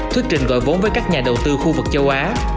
thuyết trình gọi vốn với các nhà đầu tư khu vực châu á